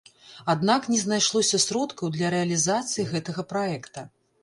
Аднак не знайшлося сродкаў для рэалізацыі гэтага праекта.